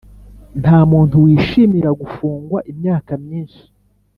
Ntamuntu wishimira gufungwa imyaka myinshi